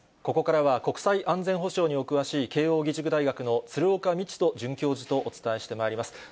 ここからは、国際安全保障にお詳しい、慶応義塾大学の鶴岡路人准教授とお伝えしてまいります。